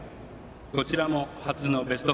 こちらも初のベスト